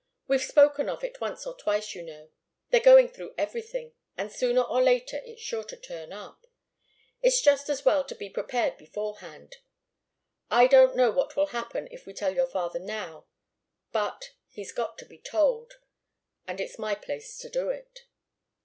We've spoken of it once or twice, you know. They're going through everything, and sooner or later it's sure to turn up. It's just as well to be prepared beforehand. I don't know what will happen if we tell your father now, but he's got to be told, and it's my place to do it."